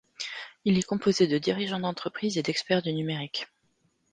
Il est composé de dirigeants d’entreprises et d’experts du numérique.